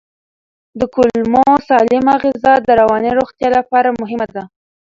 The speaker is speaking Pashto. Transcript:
د کولمو سالمه غذا د رواني روغتیا لپاره مهمه ده.